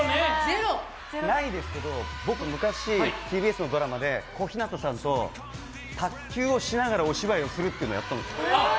ないですけど、僕昔、ＴＢＳのドラマで小日向さんと卓球をしながらお芝居をするというのをやったんですよ。